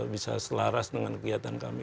bisa selaras dengan kegiatan kami